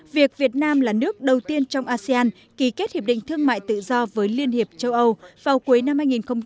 việc việt nam là nước đầu tiên trong asean ký kết hiệp định thương mại tự do với liên hiệp châu âu vào cuối năm hai nghìn hai mươi